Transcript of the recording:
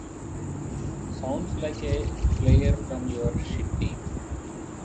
Sounds like a player from your shit team.